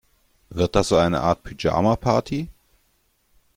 Wird das so eine Art Pyjama-Party?